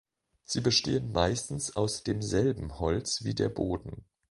Sie bestehen meistens aus demselben Holz wie der Boden.